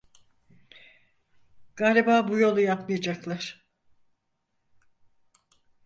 Galiba bu yolu yapmayacaklar.